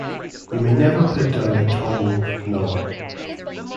You may never put down a Tom Wolfe novel.